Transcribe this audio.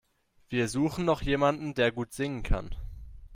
Wir suchen noch jemanden, der gut singen kann.